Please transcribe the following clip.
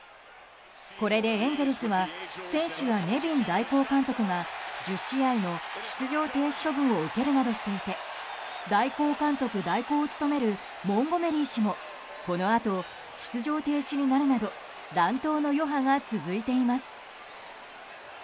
これでエンゼルスは選手やネビン代行監督が１０試合の出場停止処分を受けるなどしていて代行監督代行を務めるモンゴメリー氏もこのあと出場停止になるなど乱闘の余波が続いています。